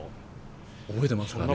覚えてますかね？